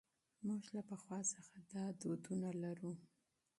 موږ له پخوا څخه دا دودونه لرو.